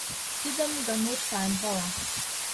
Тидым Ганур сайын пала.